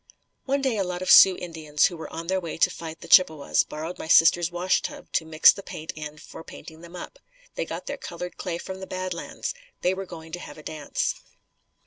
One day a lot of Sioux Indians who were on their way to fight the Chippewas borrowed my sister's washtub to mix the paint in for painting them up. They got their colored clay from the Bad Lands. They were going to have a dance.